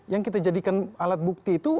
yang kita jadikan alat bukti itu